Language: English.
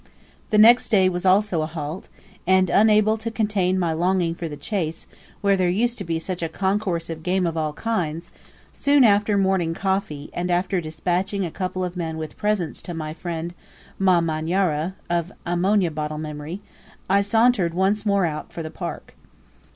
The next day was also a halt, and unable to contain my longing for the chase, where there used to be such a concourse of game of all kinds, soon after morning coffee, and after despatching a couple of men with presents to my friend Ma manyara, of ammonia bottle memory, I sauntered out once more for the park.